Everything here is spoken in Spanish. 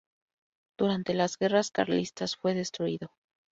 Durante las guerras carlistas fue destruido.